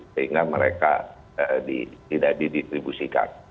sehingga mereka tidak didistribusikan